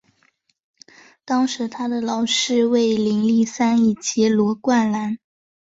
当时他的老师为林立三以及罗冠兰。